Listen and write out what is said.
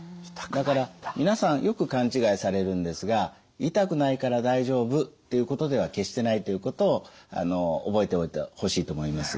だから皆さんよく勘違いされるんですが「痛くないから大丈夫」っていうことでは決してないということを覚えておいてほしいと思います。